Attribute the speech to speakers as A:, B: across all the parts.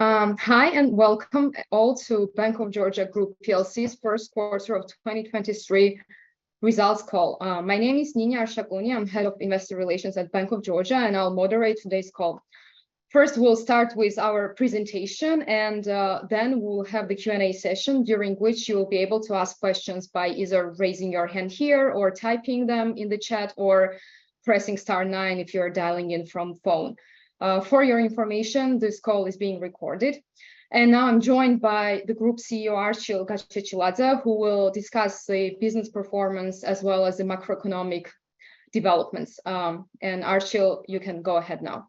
A: Hi and welcome all to Bank of Georgia Group PLC's first quarter of 2023 results call. My name is Nini Arshakuni. I'm Head of Investor Relations at Bank of Georgia, and I'll moderate today's call. First, we'll start with our presentation. Then we'll have the Q&A session, during which you'll be able to ask questions by either raising your hand here or typing them in the chat or pressing star 9 if you're dialing in from phone. For your information, this call is being recorded. Now I'm joined by the Group CEO, Archil Gachechiladze, who will discuss the business performance as well as the macroeconomic developments. Archil, you can go ahead now.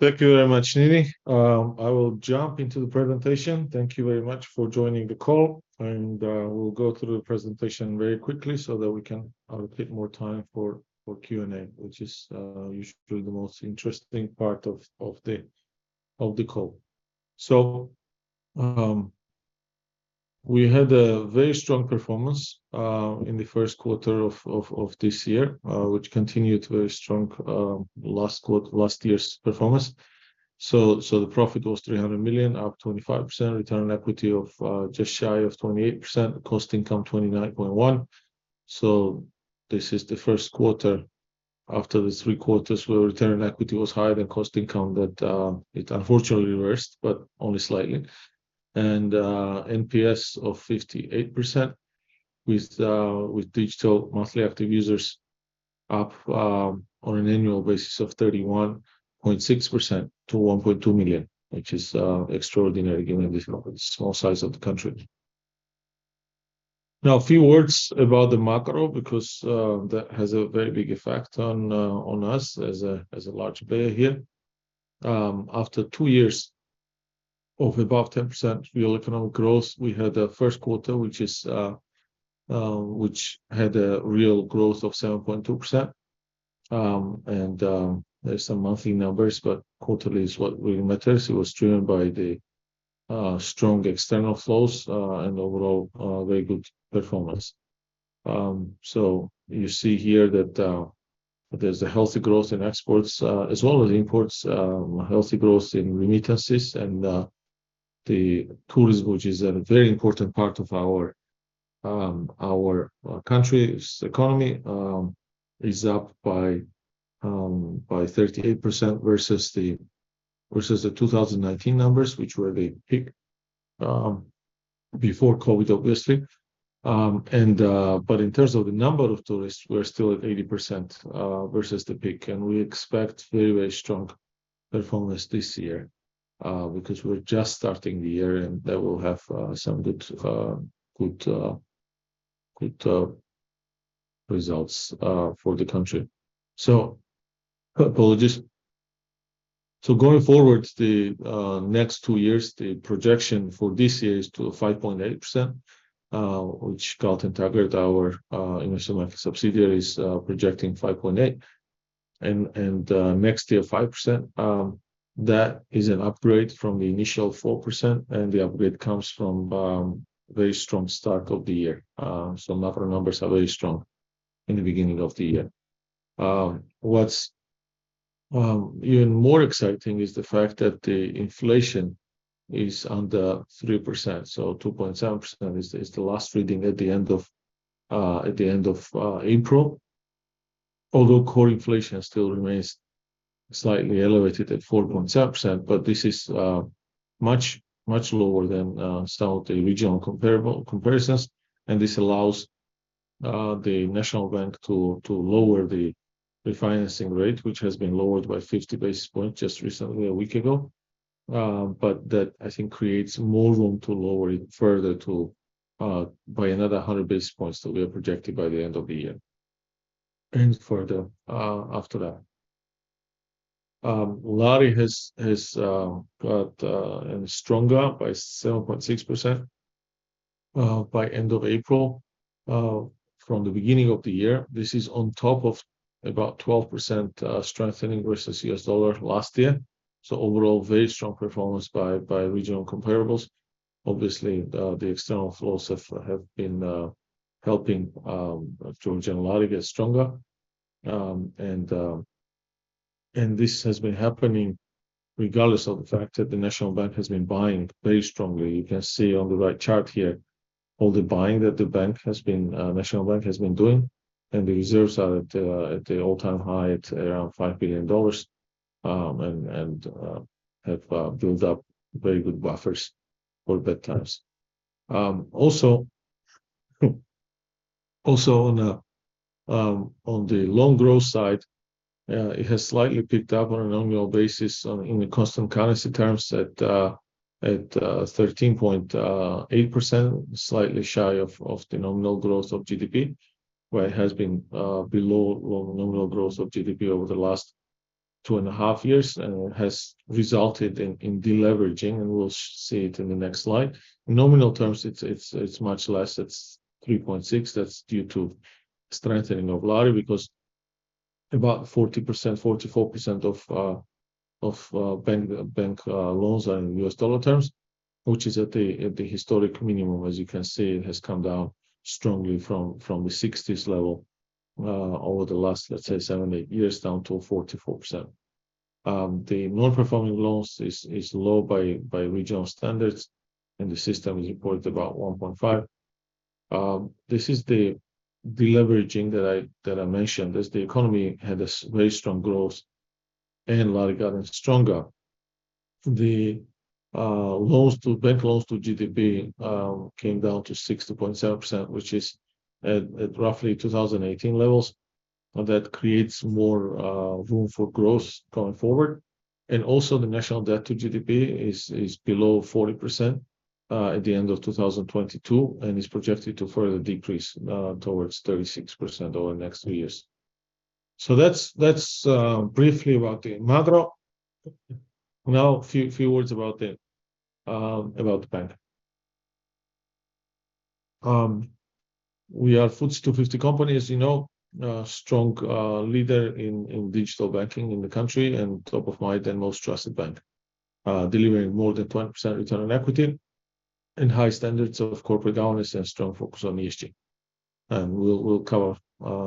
B: Thank you very much, Nini. I will jump into the presentation. Thank you very much for joining the call, and we'll go through the presentation very quickly so that we can allocate more time for Q&A, which is usually the most interesting part of the call. We had a very strong performance in the first quarter of this year, which continued very strong last year's performance. The profit was GEL 300 million, up 25%, return on equity of just shy of 28%, cost-income 29.1%. This is the first quarter after the three quarters where return on equity was higher than cost-income, but it unfortunately reversed, but only slightly. NPS of 58% with digital monthly active users up on an annual basis of 31.6% to 1.2 million, which is extraordinary given the small size of the country. Now, a few words about the macro because that has a very big effect on us as a large player here. After two years of above 10% real economic growth, we had a first quarter, which had a real growth of 7.2%. There's some monthly numbers, but quarterly is what really matters. It was driven by the strong external flows and overall very good performance. You see here that there's a healthy growth in exports as well as imports, a healthy growth in remittances and the tourism, which is a very important part of our country's economy, is up by 38% versus the 2019 numbers, which were the peak before COVID, obviously. In terms of the number of tourists, we're still at 80% versus the peak. We expect very, very strong performance this year because we're just starting the year, and that will have some good results for the country. Apologies. Going forward, the next two years, the projection for this year is to a 5.8%, which Galt & Taggart, our investment bank subsidiary, is projecting 5.8% and next year 5%. That is an upgrade from the initial 4%, and the upgrade comes from very strong start of the year. macro numbers are very strong in the beginning of the year. What's even more exciting is the fact that the inflation is under 3%. 2.7% is the last reading at the end of April. Although core inflation still remains slightly elevated at 4.7%, but this is much, much lower than some of the regional comparable comparisons. This allows the National Bank to lower the refinancing rate, which has been lowered by 50 basis points just recently, a week ago. That I think creates more room to lower it further to by another 100 basis points that we are projecting by the end of the year and further after that. Lari has got stronger by 7.6% by end of April from the beginning of the year. This is on top of about 12% strengthening versus U.S. dollar last year. Overall, very strong performance by regional comparables. Obviously, the external flows have been helping Georgian Lari get stronger. This has been happening regardless of the fact that the National Bank has been buying very strongly. You can see on the right chart here all the buying that the bank has been, National Bank has been doing. The reserves are at the all-time high at around $5 billion, and have built up very good buffers for bad times. Also on the loan growth side, it has slightly picked up on a nominal basis on, in the constant currency terms at 13.8%, slightly shy of the nominal growth of GDP, where it has been below nominal growth of GDP over the last two and a half years and has resulted in deleveraging, and we'll see it in the next slide. In nominal terms, it's much less. It's 3.6%. That's due to strengthening of Lari because about 40%, 44% of bank loans are in U.S. dollar terms. Which is at the historic minimum. As you can see, it has come down strongly from the sixties level over the last, let's say, seven, eight years down to 44%. The non-performing loans is low by regional standards, and the system is reported about 1.5%. This is the deleveraging that I mentioned. The economy had a very strong growth and a lot of gotten stronger. Bank loans to GDP came down to 60.7%, which is at roughly 2018 levels. That creates more room for growth going forward. Also the national debt to GDP is below 40% at the end of 2022 and is projected to further decrease towards 36% over the next two years. That's briefly about the macro. Now a few words about the bank. We are FTSE 250 company, as you know. A strong leader in digital banking in the country, and top of mind and most trusted bank. Delivering more than 20% return on equity and high standards of corporate governance and strong focus on ESG. We'll cover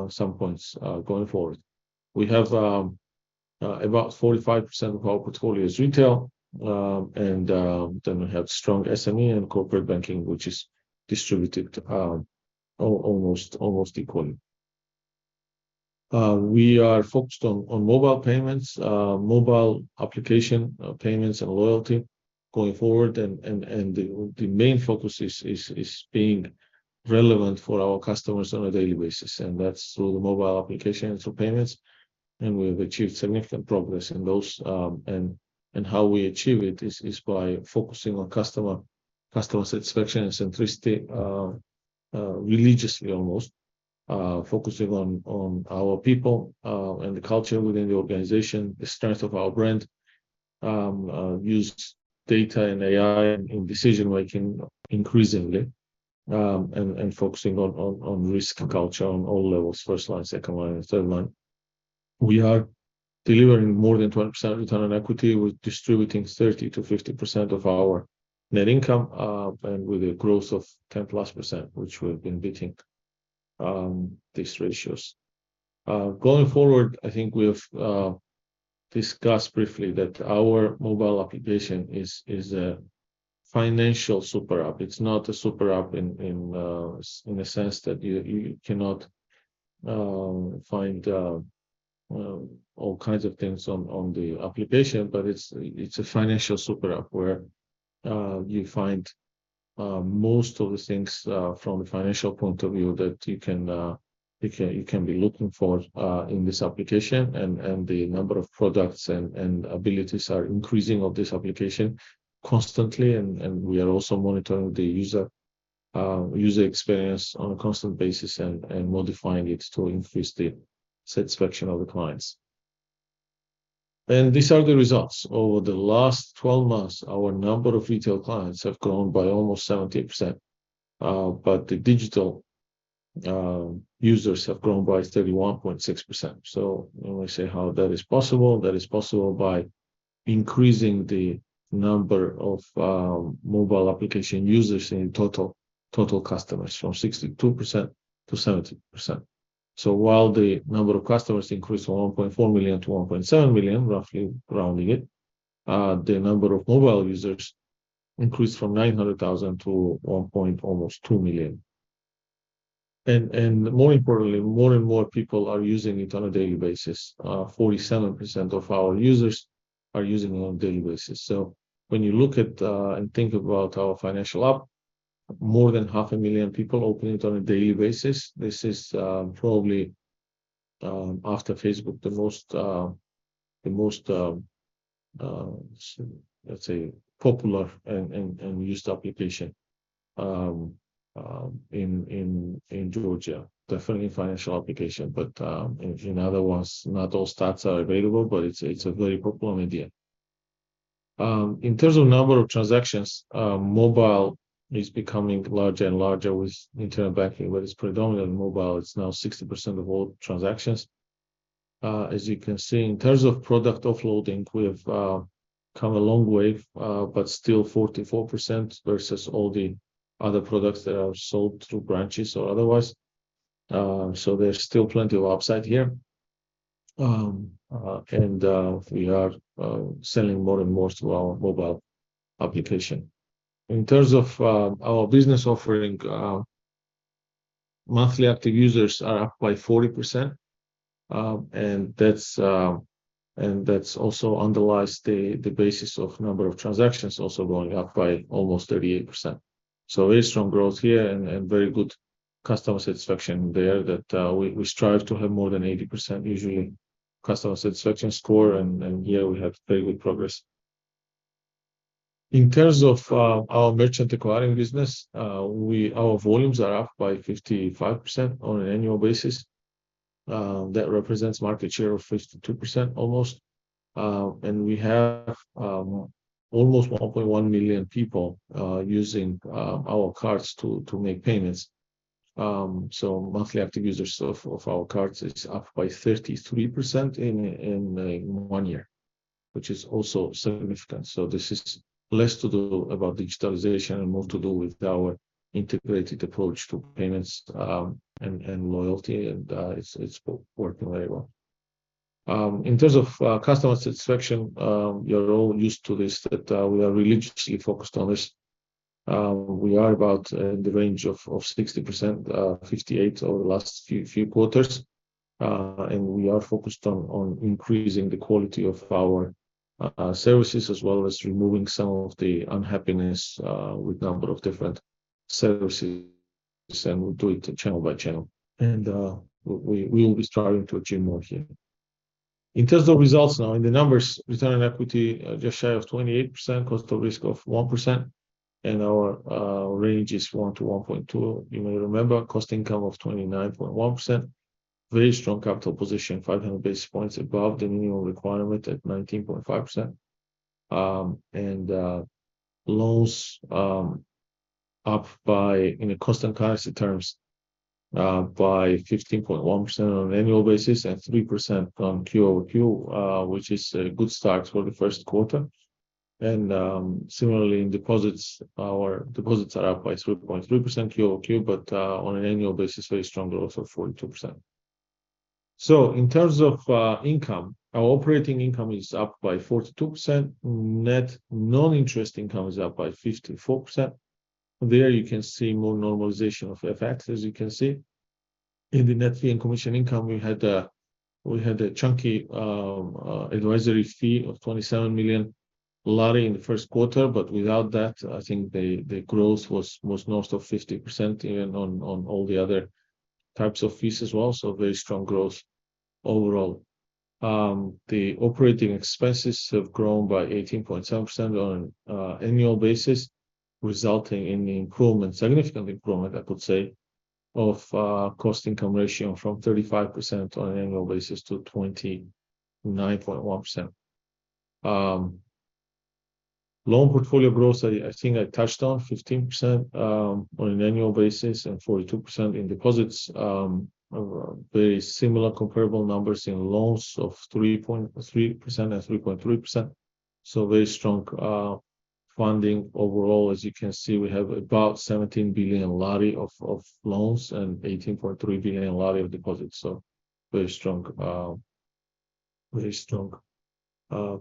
B: some points going forward. We have about 45% of our portfolio is retail. We have strong SME and corporate banking, which is distributed almost equally. We are focused on mobile payments, mobile application, payments and loyalty going forward. The main focus is being relevant for our customers on a daily basis, and that's through the mobile applications for payments. We've achieved significant progress in those, and how we achieve it is by focusing on customer satisfaction and centricity religiously almost. Focusing on our people and the culture within the organization, the strength of our brand. Use data and AI in decision-making increasingly, and focusing on risk culture on all levels, first line, second line, and third line. We are delivering more than 20% return on equity. We're distributing 30%-50% of our net income, and with a growth of 10+%, which we've been beating, these ratios. Going forward, I think we've discussed briefly that our mobile application is a financial super app. It's not a super app in a sense that you cannot find all kinds of things on the application, but it's a financial super app where you find most of the things from a financial point of view that you can be looking for in this application. The number of products and abilities are increasing of this application constantly. We are also monitoring the user experience on a constant basis and modifying it to increase the satisfaction of the clients. These are the results. Over the last 12 months, our number of retail clients have grown by almost 70%. But the digital users have grown by 31.6%. You may say how that is possible. That is possible by increasing the number of mobile application users in total customers from 62% to 70%. While the number of customers increased from 1.4 million-1.7 million, roughly rounding it, the number of mobile users increased from 900,000 to 1. almost 2 million. More importantly, more and more people are using it on a daily basis. 47% of our users are using it on a daily basis. When you look at and think about our financial app, more than half a million people open it on a daily basis. This is probably after Facebook, the most, the most, let's say popular and used application in Georgia. Definitely a financial application, but in other ones, not all stats are available, but it's a very popular media. In terms of number of transactions, mobile is becoming larger and larger with internet banking, but it's predominantly mobile. It's now 60% of all transactions. As you can see, in terms of product offloading, we have come a long way, but still 44% versus all the other products that are sold through branches or otherwise. ty of upside here. We are selling more and more through our mobile application. In terms of our business offering, digital monthly active users are up by 40%. That also underlies the basis of number of transactions also going up by almost 38%. Very strong growth here and very good customer satisfaction there that we strive to have more than 80% usually customer satisfaction score. Here we have very good progress. In terms of our merchant acquiring business, our volumes are up by 55% on an annual basis. That represents market share of almost 52%. We have almost 1.1 million people using our cards to make payments. Monthly active users of our cards is up by 33% in 1 year, which is also significant. This is less to do about digitalization and more to do with our integrated approach to payments and loyalty, and it's working very well. In terms of customer satisfaction, you're all used to this that we are religiously focused on this. We are about in the range of 60%, 58 over the last few quarters. We are focused on increasing the quality of our services as well as removing some of the unhappiness with number of different services, and we're doing it channel by channel. We'll be striving to achieve more here. In terms of results now, in the numbers, return on equity, just shy of 28%, cost of risk of 1%, and our range is 1%-1.2%. You may remember cost-income of 29.1%. Very strong capital position, 500 basis points above the minimum requirement at 19.5%. Loans up by, in a constant currency terms, by 15.1% on an annual basis and 3% on quarter over quarter, which is a good start for the first quarter. Similarly, in deposits, our deposits are up by 3.3% Q over Q, but on an annual basis, very strong growth of 42%. In terms of income, our operating income is up by 42%. Net non-interest income is up by 54%. There you can see more normalization of FX, as you can see. In the net fee and commission income, we had a chunky advisory fee of GEL 27 million in the first quarter, but without that, I think the growth was north of 50% even on all the other types of fees as well. Very strong growth overall. The operating expenses have grown by 18.7% on an annual basis, resulting in the improvement, significant improvement, I could say, of cost-income ratio from 35% on an annual basis to 29.1%. Loan portfolio growth, I think I touched on, 15% on an annual basis and 42% in deposits. Very similar comparable numbers in loans of 3.3% and 3.3%. Very strong funding overall. As you can see, we have about GEL 17 billion of loans and GEL 18.3 billion of deposits. Very strong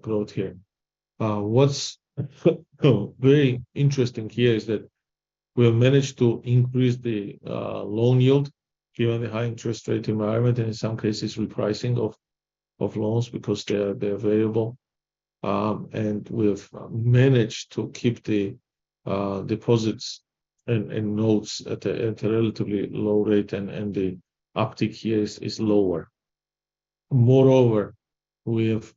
B: growth here. What's very interesting here is that we have managed to increase the loan yield given the high interest rate environment, and in some cases, repricing of loans because they're variable. We've managed to keep the deposits and notes at a relatively low rate and the uptick here is lower. Moreover,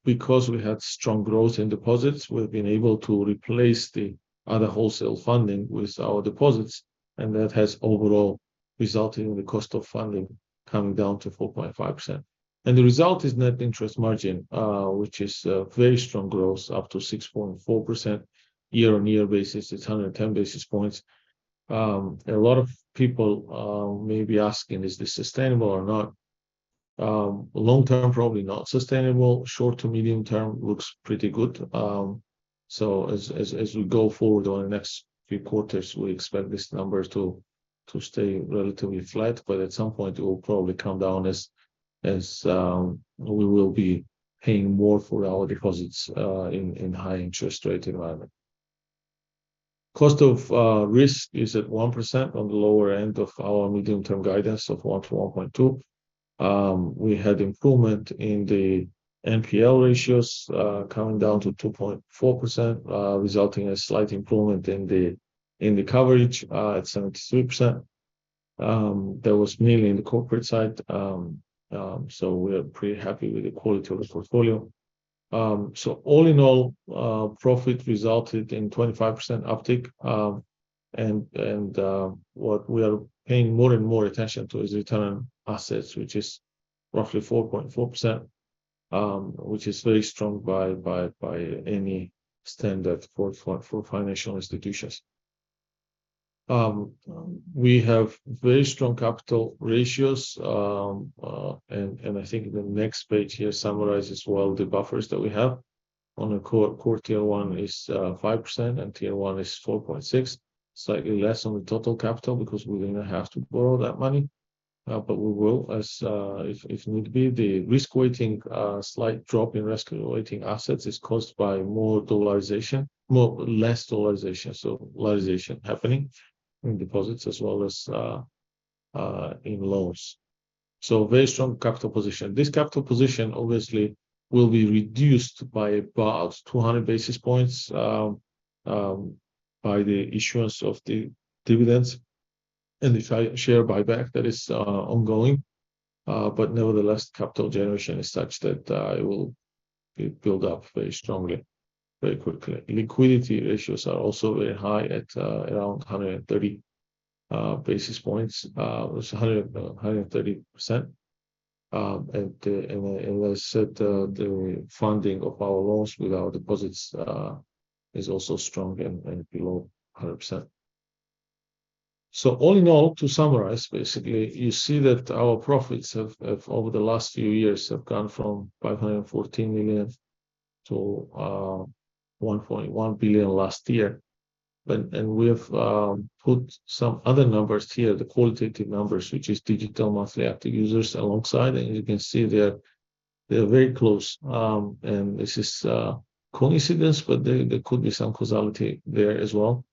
B: because we had strong growth in deposits, we've been able to replace the other wholesale funding with our deposits, and that has overall resulted in the cost of funding coming down to 4.5%. The result is net interest margin, which is very strong growth, up to 6.4% year-on-year basis. It's 110 basis points. A lot of people may be asking, "Is this sustainable or not?" Long term, probably not sustainable. Short to medium term, looks pretty good. As we go forward on the next few quarters, we expect these numbers to stay relatively flat. At some point, it will probably come down as we will be paying more for our deposits, in high interest rate environment. Cost of risk is at 1% on the lower end of our medium-term guidance of 1-1.2. We had improvement in the NPL ratios, coming down to 2.4%, resulting in a slight improvement in the, in the coverage, at 73%. That was mainly in the corporate side. So we're pretty happy with the quality of the portfolio. So all in all, profit resulted in 25% uptick. What we are paying more and more attention to is return on assets, which is roughly 4.4%, which is very strong by any standard for financial institutions. We have very strong capital ratios. I think the next page here summarizes well the buffers that we have. A core Tier 1 is 5%, Tier 1 is 4.6%. Slightly less on the total capital because we're gonna have to borrow that money, but we will as if need be. The risk weighting, slight drop in risk weighting assets is caused by less dollarization. Dollarization happening in deposits as well as in loans. Very strong capital position. This capital position obviously will be reduced by about 200 basis points by the issuance of the dividends and the share buyback that is ongoing. Nevertheless, capital generation is such that it will build up very strongly, very quickly. Liquidity ratios are also very high at around 130 basis points. It's 130%. As I said, the funding of our loans with our deposits is also strong and below 100%. All in all, to summarize, basically, you see that our profits have over the last few years have gone from GEL 514 million-GEL 1.1 billion last year. We've put some other numbers here, the qualitative numbers, which is digital monthly active users alongside. You can see they're very close. This is coincidence, but there could be some causality there as well.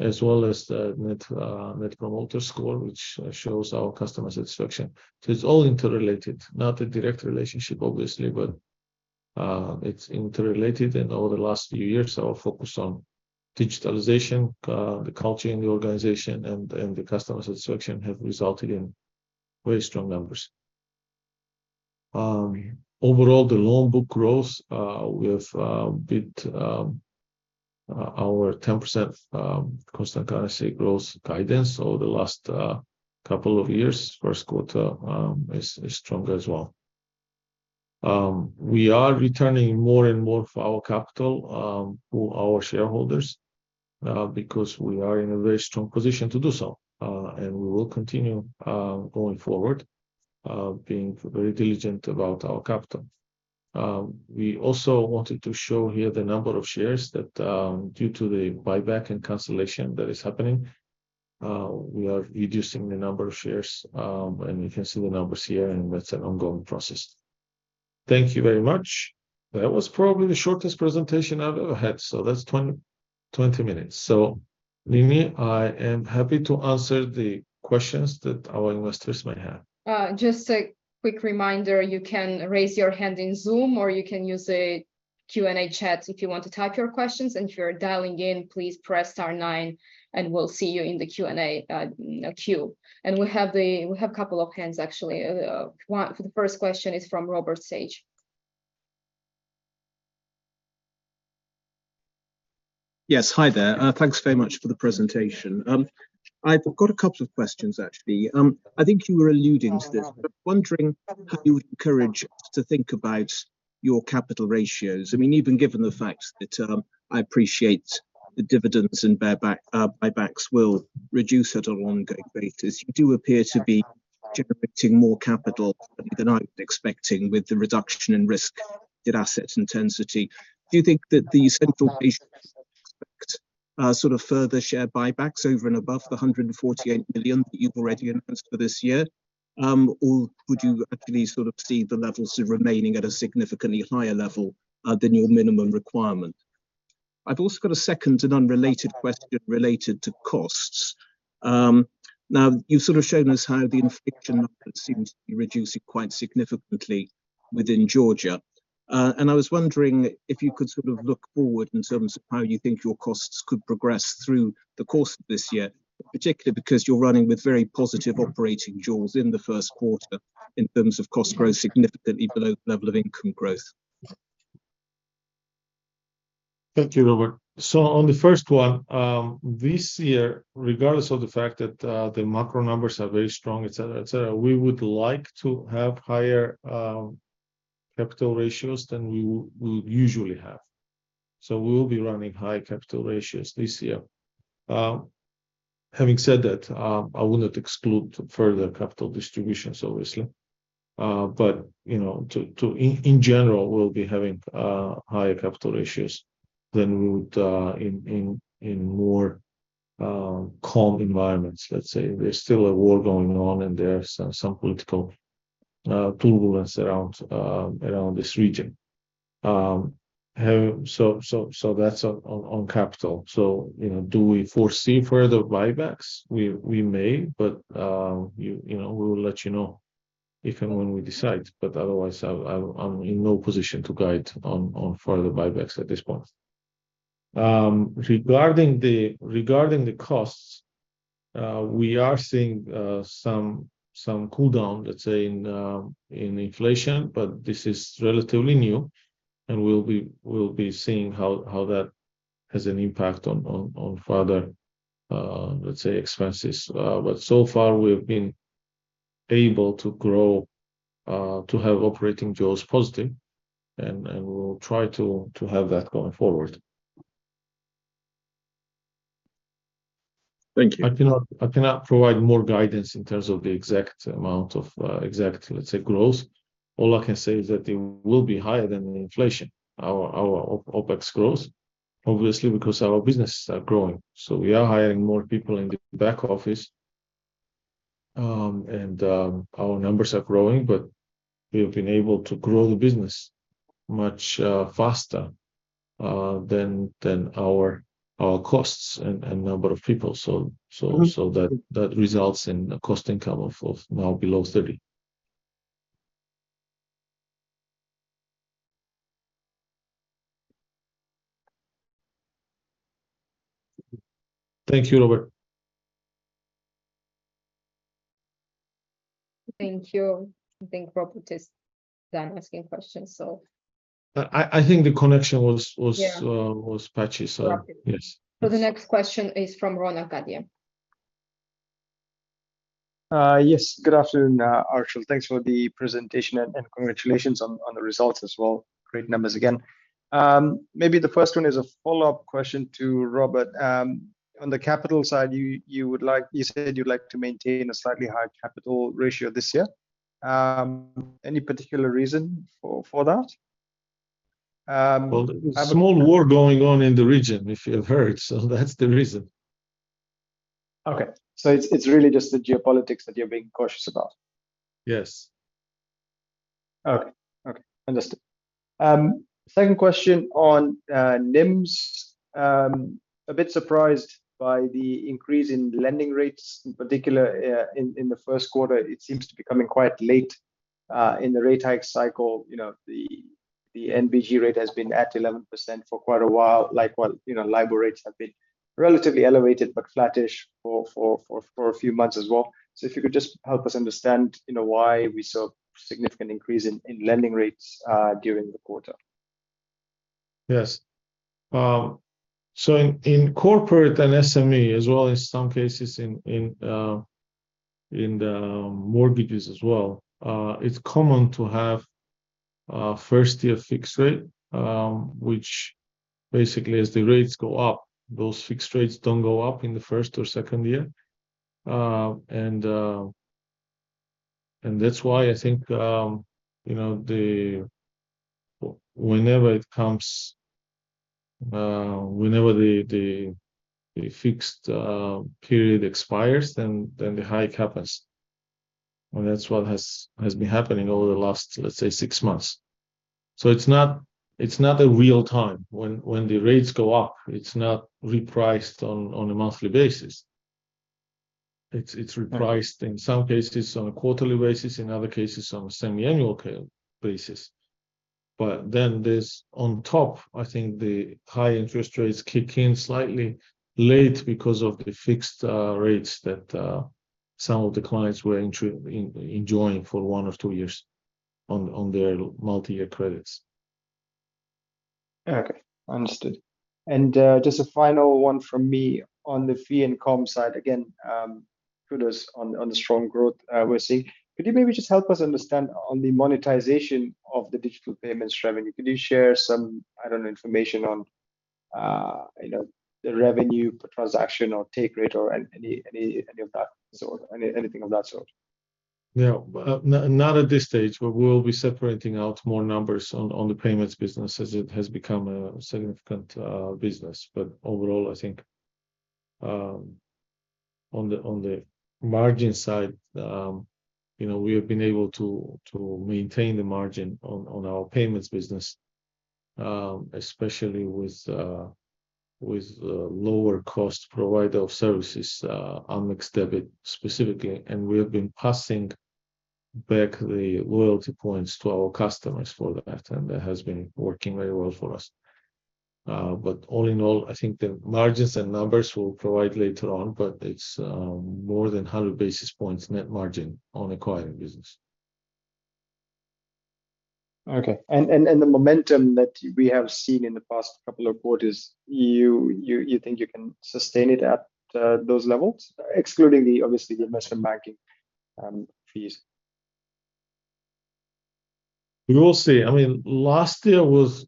B: As well as the net promoter score, which shows our customer satisfaction. It's all interrelated. Not a direct relationship obviously, but it's interrelated and over the last few years, our focus on digitalization, the culture in the organization and the customer satisfaction have resulted in very strong numbers. Overall, the loan book growth, we have beat our 10% constant currency growth guidance over the last couple of years. First quarter is strong as well. We are returning more and more of our capital to our shareholders because we are in a very strong position to do so. We will continue going forward, being very diligent about our capital. We also wanted to show here the number of shares that, due to the buyback and cancellation that is happening, we are reducing the number of shares, and you can see the numbers here, and that's an ongoing process. Thank you very much. That was probably the shortest presentation I've ever had, so that's 20 minutes. Nini, I am happy to answer the questions that our investors might have.
A: Just a quick reminder, you can raise your hand in Zoom, or you can use the Q&A chat if you want to type your questions. If you're dialing in, please press star 9 and we'll see you in the Q&A queue. We have couple of hands, actually. The first question is from Robert Sage.
C: Yes. Hi there, thanks very much for the presentation. I've got a couple of questions, actually. I think you were alluding to this, wondering how you would encourage us to think about your capital ratios. I mean, even given the fact that, I appreciate the dividends and buybacks will reduce at a longer equities. You do appear to be generating more capital than I'm expecting with the reduction in risk in asset intensity. Do you think that the central ratios expect further share buybacks over and above the $148 million that you've already announced for this year? Would you actually sort of see the levels remaining at a significantly higher level than your minimum requirement? I've also got a second and unrelated question related to costs. Now you've sort of shown us how the inflation numbers seem to be reducing quite significantly within Georgia. I was wondering if you could sort of look forward in terms of how you think your costs could progress through the course of this year, particularly because you're running with very positive operating jaws in the first quarter, in terms of cost growth significantly below the level of income growth.
B: Thank you, Robert. On the first one, this year, regardless of the fact that the macro numbers are very strong, et cetera, et cetera, we would like to have higher capital ratios than we usually have. We will be running high capital ratios this year. Having said that, I will not exclude further capital distributions, obviously. But you know, in general, we'll be having higher capital ratios than we would in more calm environments, let's say. There's still a war going on and there's some political turbulence around this region. That's on capital. You know, do we foresee further buybacks? We may, but you know, we will let you know if and when we decide. Otherwise, I'm in no position to guide on further buybacks at this point. Regarding the costs, we are seeing some cooldown, let's say, in inflation, but this is relatively new and we'll be seeing how that has an impact on further expenses. So far we've been able to grow to have operating jaws positive and we'll try to have that going forward.
C: Thank you.
B: I cannot provide more guidance in terms of the exact amount of exact, let's say, growth. All I can say is that it will be higher than the inflation, our OpEx growth, obviously because our businesses are growing. We are hiring more people in the back office, and our numbers are growing, but we have been able to grow the business much faster than our costs and number of people. That results in a cost-income of now below 30. Thank you, Robert.
A: Thank you. I think Robert is done asking questions.
B: I think the connection was.
A: Yeah...
B: was patchy.
A: Okay.
B: Yes.
A: The next question is from Ron Acadia.
D: Yes. Good afternoon, Archil Thanks for the presentation and congratulations on the results as well. Great numbers again. Maybe the first one is a follow-up question to Robert. On the capital side, you said you'd like to maintain a slightly higher capital ratio this year. Any particular reason for that?
B: Well, small war going on in the region if you've heard, so that's the reason.
D: Okay. It's really just the geopolitics that you're being cautious about?
B: Yes.
D: Okay. Okay. Understood. Second question on NIMs. A bit surprised by the increase in lending rates, in particular, in the first quarter. It seems to be coming quite late in the rate hike cycle. You know, the NBG rate has been at 11% for quite a while. Like, while, you know, LIBOR rates have been relatively elevated but flattish for a few months as well. If you could just help us understand, you know, why we saw a significant increase in lending rates during the quarter.
B: and SME as well as some cases in the mortgages as well, it is common to have a first year fixed rate, which basically as the rates go up, those fixed rates do not go up in the first or second year. And that is why I think, you know, Whenever it comes, whenever the fixed period expires, then the hike happens. And that is what has been happening over the last, let us say, six months. So it is not, it is not a real time. When the rates go up, it is not repriced on a monthly basis. It is repriced
D: Right...
B: in some cases on a quarterly basis, in other cases on a semi-annual basis. There's, on top, I think the high interest rates kick in slightly late because of the fixed rates that some of the clients were enjoying for one or two years on their multi-year credits.
D: Okay. Understood. Just a final one from me on the fee income side. Again, kudos on the strong growth we're seeing. Could you maybe just help us understand on the monetization of the digital payments revenue? Could you share some, I don't know, information on, you know, the revenue per transaction or take rate or any of that sort? Anything of that sort?
B: Yeah. Not at this stage. We'll be separating out more numbers on the payments business as it has become a significant business. Overall, I think, you know, on the margin side, we have been able to maintain the margin on our payments business, especially with lower cost provider of services on mixed debit specifically. We have been passing back the loyalty points to our customers for that, and that has been working very well for us. All in all, I think the margins and numbers we'll provide later on, but it's more than 100 basis points net margin on acquiring business.
D: Okay. The momentum that we have seen in the past couple of quarters, you think you can sustain it at those levels, excluding the, obviously, the investment banking fees?
B: We will see. I mean, last year was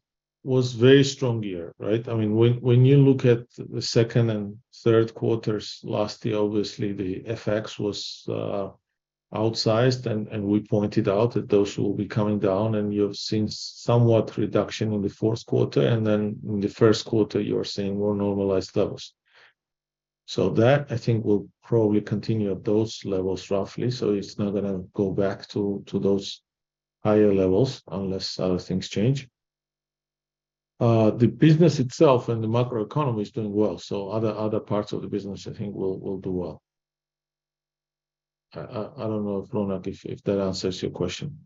B: very strong year, right? I mean, when you look at the second and third quarters last year, obviously the FX was outsized and we pointed out that those will be coming down. You have seen somewhat reduction in the fourth quarter, and then in the first quarter you are seeing more normalized levels. That, I think, will probably continue at those levels roughly, so it's not gonna go back to those higher levels unless other things change. The business itself and the macroeconomy is doing well, so other parts of the business I think will do well. I don't know, Ronak, if that answers your question.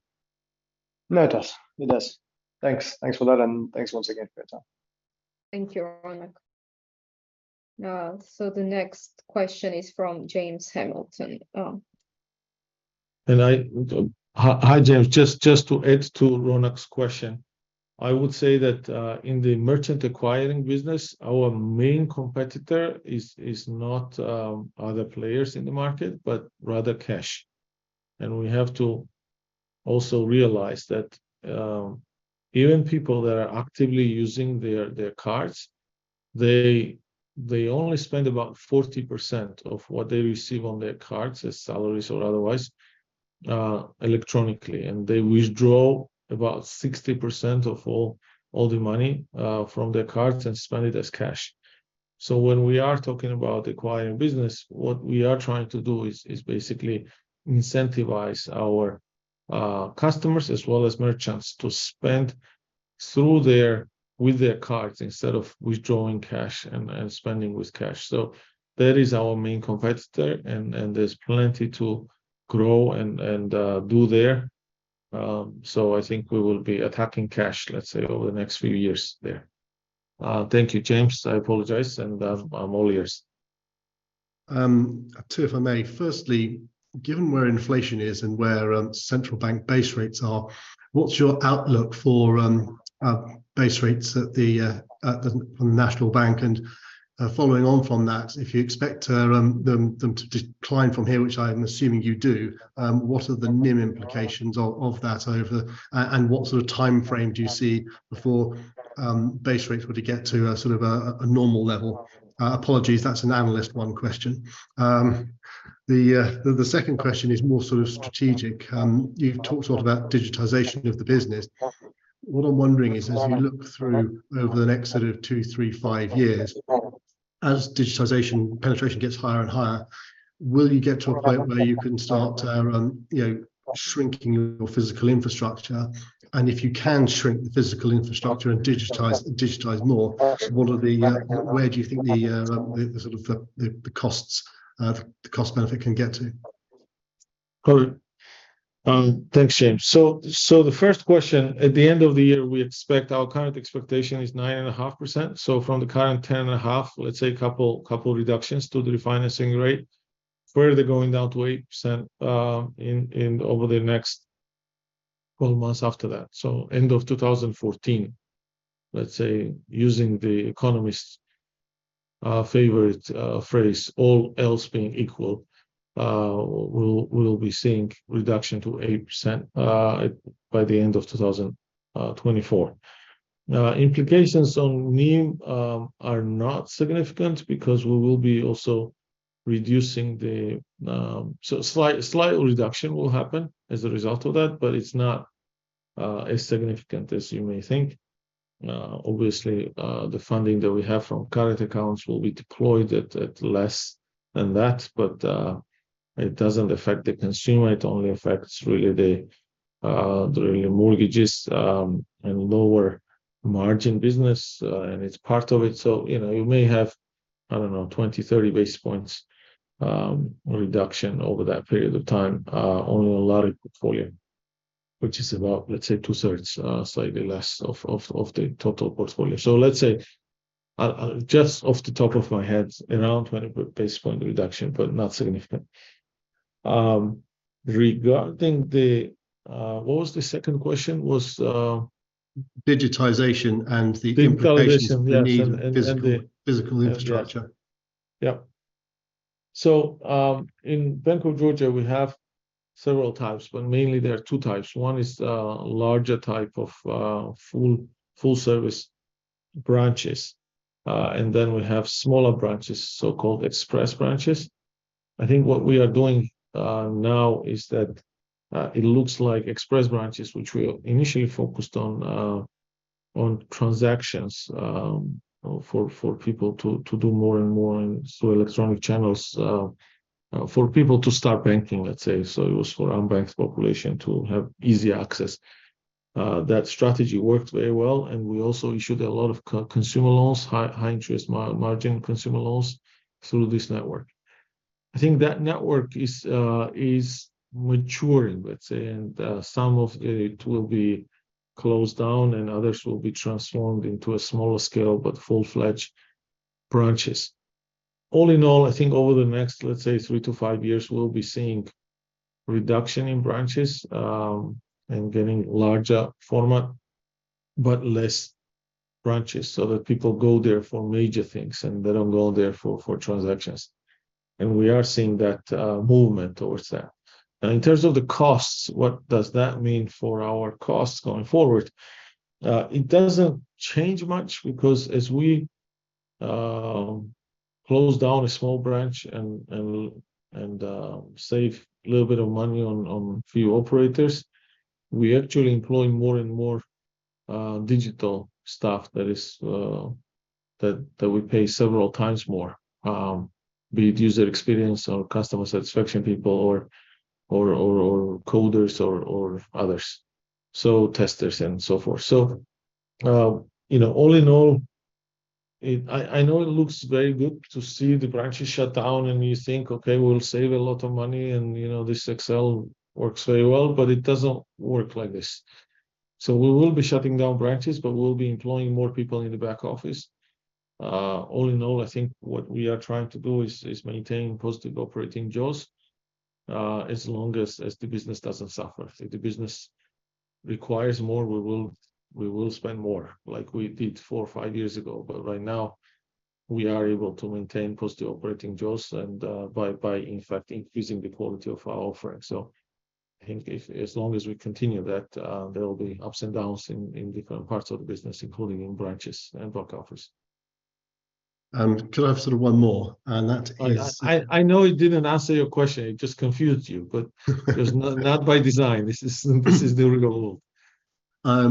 D: No, it does. It does. Thanks. Thanks for that, and thanks once again for your time.
A: Thank you, Ronak. The next question is from James Hamilton.
B: Hi, James. Just to add to Ronak's question. I would say that in the merchant acquiring business, our main competitor is not other players in the market, but rather cash. We have to also realize that even people that are actively using their cards, they only spend about 40% of what they receive on their cards as salaries or otherwise, electronically, and they withdraw about 60% of all the money from their cards and spend it as cash. When we are talking about acquiring business, what we are trying to do is basically incentivize our customers as well as merchants to spend through their, with their cards instead of withdrawing cash and spending with cash. That is our main competitor, and there's plenty to grow and do there. I think we will be attacking cash, let's say, over the next few years there. Thank you, James. I apologize, and, I'm all ears.
E: Two if I may. Firstly, given where inflation is and where central bank base rates are, what's your outlook for base rates at the National Bank of Georgia? Following on from that, if you expect them to decline from here, which I'm assuming you do, what are the NIM implications of that over... What sort of timeframe do you see before base rates were to get to a sort of a normal level? Apologies, that's an analyst one question. The second question is more sort of strategic. You've talked a lot about digitization of the business. What I'm wondering is, as you look through over the next sort of two, three, five years, as digitization penetration gets higher and higher, will you get to a point where you can start to, you know, shrinking your physical infrastructure? If you can shrink the physical infrastructure and digitize more, what are the where do you think the cost benefit can get to?
B: Got it. Thanks, James. The first question, at the end of the year, we expect, our current expectation is 9.5%. From the current 10.5%, let's say couple reductions to the refinancing rate, further going down to 8%, in over the next 12 months after that. End of 2014. Let's say, using the economist's favorite phrase, all else being equal, we'll be seeing reduction to 8%, by the end of 2024. Implications on NIM are not significant because we will be also reducing the. Slight reduction will happen as a result of that, but it's not as significant as you may think. Obviously, the funding that we have from current accounts will be deployed at less than that, it doesn't affect the consumer. It only affects really the really mortgages and lower margin business, it's part of it. You know, you may have, I don't know, 20, 30 base points reduction over that period of time on a lot of portfolio, which is about, let's say, two-thirds, slightly less of the total portfolio. Let's say, just off the top of my head, around 20 base point reduction, not significant. Regarding the, what was the second question?
E: Digitization and the implications.
B: The digitization, yes....
E: for NIM and physical-
B: And, and the-
E: Physical infrastructure.
B: Yeah. Yeah. In Bank of Georgia, we have several types, but mainly there are two types. One is larger type of full service branches. We have smaller branches, so-called express branches. I think what we are doing now is that it looks like express branches, which we initially focused on transactions for people to do more and more and so electronic channels for people to start banking, let's say. It was for unbanked population to have easy access. That strategy worked very well, and we also issued a lot of consumer loans, high interest margin consumer loans through this network. I think that network is maturing, let's say, and some of it will be closed down and others will be transformed into a smaller scale but full-fledged branches. All in all, I think over the next, let's say, 3-5 years, we'll be seeing reduction in branches, and getting larger format, but less branches so that people go there for major things and they don't go there for transactions. We are seeing that movement towards that. In terms of the costs, what does that mean for our costs going forward? It doesn't change much because as we close down a small branch and save a little bit of money on few operators, we're actually employing more and more digital staff that we pay several times more, be it user experience or customer satisfaction people or coders or others. Testers and so forth. You know, all in all, I know it looks very good to see the branches shut down and you think, "Okay, we'll save a lot of money," and, you know, this Excel works very well, but it doesn't work like this. We will be shutting down branches, but we'll be employing more people in the back office. All in all, I think what we are trying to do is maintain positive operating jaws, as long as the business doesn't suffer. If the business requires more, we will spend more like we did four or five years ago. Right now, we are able to maintain positive operating jaws and, by in fact increasing the quality of our offering. I think if, as long as we continue that, there will be ups and downs in different parts of the business, including in branches and back office.
E: Could I have sort of one more? That is.
B: I know it didn't answer your question, it just confused you. It was not by design. This is the real world.
E: I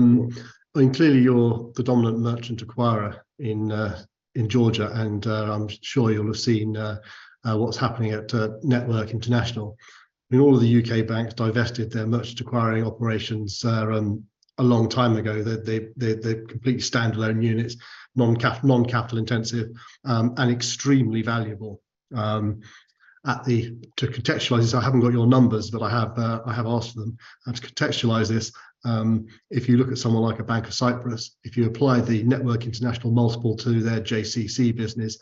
E: mean, clearly you're the dominant merchant acquirer in Georgia and I'm sure you'll have seen what's happening at Network International. I mean, all of the UK banks divested their merchant acquiring operations a long time ago. They're complete standalone units, non-capital intensive and extremely valuable. To contextualize this, I haven't got your numbers, but I have asked for them. To contextualize this, if you look at someone like a Bank of Cyprus, if you apply the Network International multiple to their JCC business,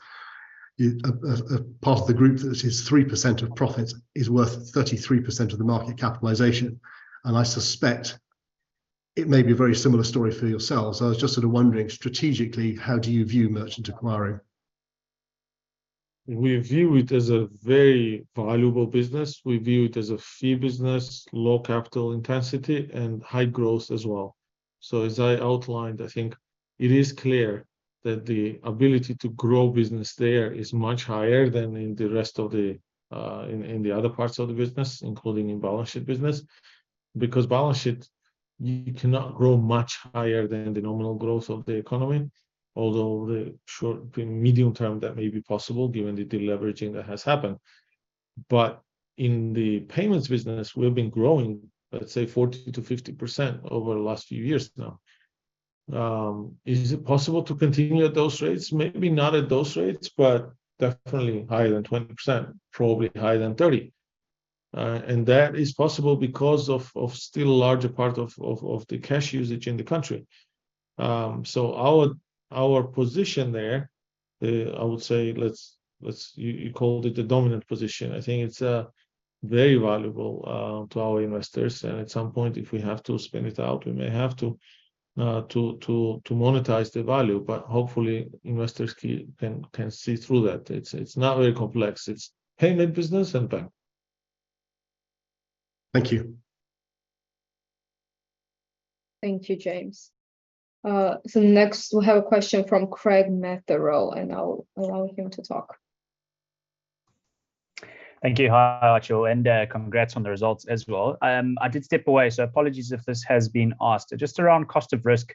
E: it, a part of the group that is 3% of profits is worth 33% of the market capitalization. I suspect it may be a very similar story for yourselves. I was just sort of wondering strategically, how do you view merchant acquiring?
B: We view it as a very valuable business. We view it as a fee business, low capital intensity, and high growth as well. As I outlined, I think it is clear that the ability to grow business there is much higher than in the other parts of the business, including in balance sheet business. Balance sheet, you cannot grow much higher than the nominal growth of the economy, although the short to medium term that may be possible given the deleveraging that has happened. In the payments business, we've been growing, let's say 40%-50% over the last few years now. Is it possible to continue at those rates? Maybe not at those rates, but definitely higher than 20%, probably higher than 30%. That is possible because of still larger part of the cash usage in the country. Our position there, I would say let's... You called it the dominant position. I think it's very valuable to our investors, and at some point, if we have to spin it out, we may have to monetize the value. Hopefully, investors can see through that. It's not very complex. It's payment business and bank.
E: Thank you.
A: Thank you, James. Next we'll have a question from Craig Matherill, and I'll allow him to talk.
F: Thank you, Archil, congrats on the results as well. I did step away, apologies if this has been asked. Just around cost of risk,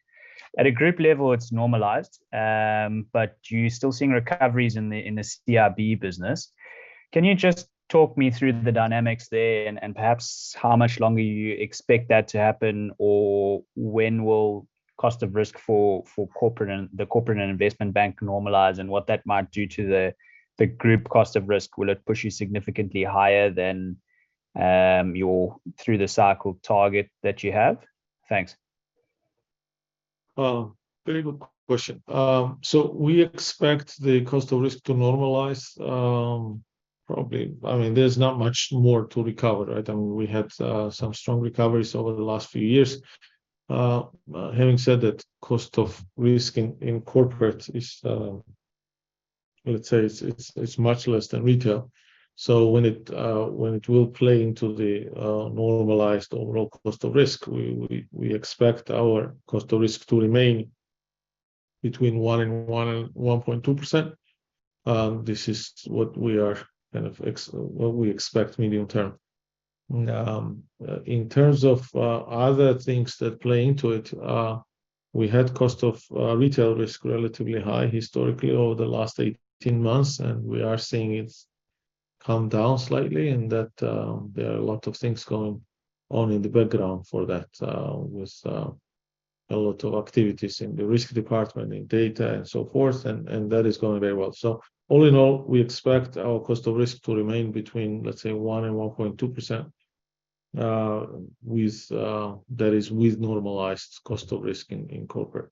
F: at a group level, it's normalized, you're still seeing recoveries in the CRB business. Can you just talk me through the dynamics there and perhaps how much longer you expect that to happen, or when will cost of risk for corporate and the corporate and investment bank normalize and what that might do to the group cost of risk? Will it push you significantly higher than your through the cycle target that you have? Thanks.
B: Well, very good question. We expect the cost of risk to normalize, probably... I mean, there's not much more to recover, right? I mean, we had some strong recoveries over the last few years. Having said that, cost of risk in corporate is, let's say it's much less than retail. When it will play into the normalized overall cost of risk, we expect our cost of risk to remain between 1% and 1.2%. This is what we are kind of what we expect medium term. In terms of other things that play into it, we had cost of retail risk relatively high historically over the last 18 months, and we are seeing it come down slightly and that, there are a lot of things going on in the background for that, with a lot of activities in the risk department, in data and so forth, and that is going very well. All in all, we expect our cost of risk to remain between, let's say 1% and 1.2%, with that is with normalized cost of risk in corporate.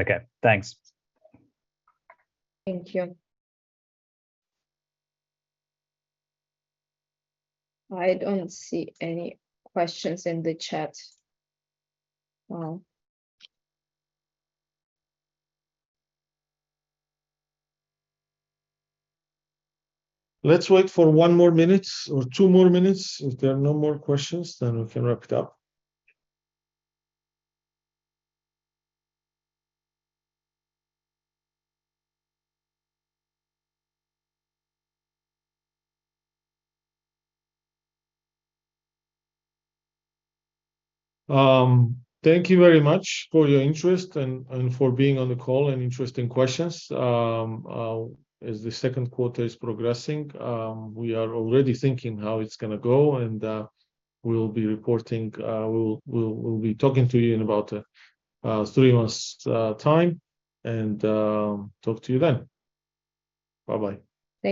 F: Okay, thanks.
A: Thank you. I don't see any questions in the chat. Well...
B: Let's wait for one more minute or two more minutes. If there are no more questions, we can wrap it up. Thank you very much for your interest and for being on the call and interesting questions. As the second quarter is progressing, we are already thinking how it's gonna go and we'll be reporting, we'll be talking to you in about three months time and talk to you then. Bye-bye.